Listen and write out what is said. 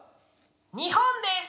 日本です！